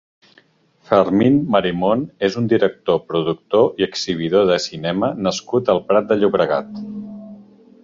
Fermín Marimón és un director, productor i exhibidor de cinema nascut al Prat de Llobregat.